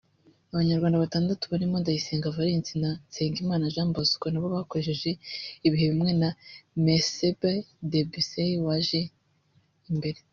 Abanyarwanda batandatu barimo Ndayisenga Valens na Nsengimana Jean Bosco nabo bakoresheje ibihe bimwe na Mekseb Debesay waje imbere